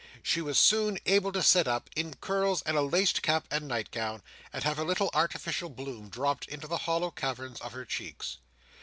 She was soon able to sit up, in curls and a laced cap and nightgown, and to have a little artificial bloom dropped into the hollow caverns of her cheeks.